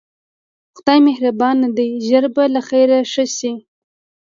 خدای مهربان دی ژر به له خیره ښه شې.